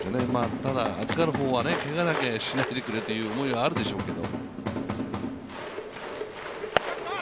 ただ、預かる方は、けがだけはしないでくれという思いはあるでしょうけど。